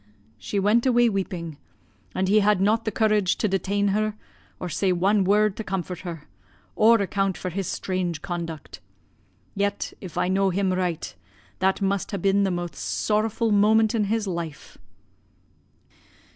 "She went away weeping, and he had not the courage to detain her, or say one word to comfort her, or account for his strange conduct; yet, if I know him right, that must ha' been the most sorrowfu' moment in his life.